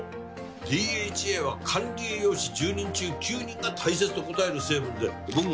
ＤＨＡは管理栄養士１０人中９人が大切と答える成分で僕もね